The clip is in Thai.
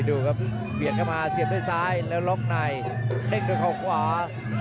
ดูครับเบียดเข้ามาเสียบด้วยซ้ายแล้วล็อกในเด้งด้วยเขาขวา